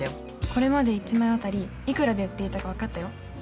これまで１枚あたりいくらで売っていたかわかったよ。